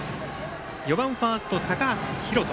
４番ファースト、高橋海翔。